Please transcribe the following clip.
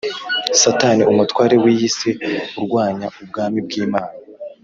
Satani umutware w’ iyi si arwanya Ubwami bw’imana